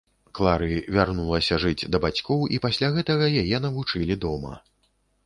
Клары вярнулася жыць да бацькоў, і пасля гэтага яе навучылі дома.